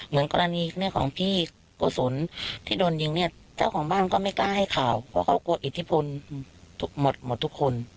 เหมือนกรณีเรื่องของพี่โกศลที่โดนยิงเนี่ยเจ้าของบ้านก็ไม่กล้าให้ข่าวเพราะเขากลัวอิทธิพลหมดทุกคน